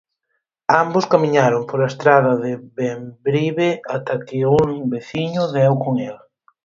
Ambos camiñaron pola estrada de Bembrive ata que un veciño deu con el.